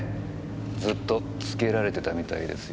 ずっとつけられてたみたいですよ。